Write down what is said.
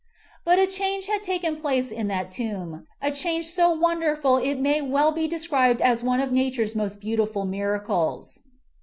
But a change had taken place in that tomb, a change so wonderful it may well be described as one of Nature's most beautiful miracles.